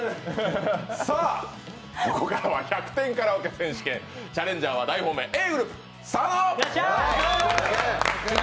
さぁ、ここからは１００点カラオケ選手権チャレンジャーは大本命、Ａぇ！